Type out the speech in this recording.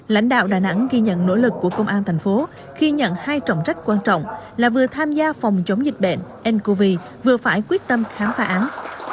lãnh đạo đà nẵng ghi nhận nỗ lực của công an thành phố khi nhận hai trọng trách quan trọng là vừa tham gia phòng chống dịch bệnh ncov vừa phải quyết tâm khám phá án